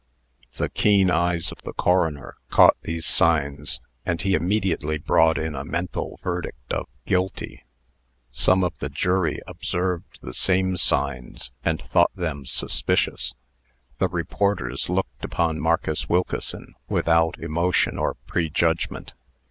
The keen eyes of the coroner caught these signs, and he immediately brought in a mental verdict of "guilty." Some of the jury observed the same signs, and thought them suspicious. The reporters looked upon Marcus Wilkeson without emotion or prejudgment.